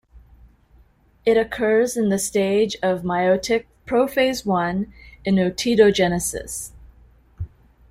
It occurs in the stage of meiotic prophase I in ootidogenesis.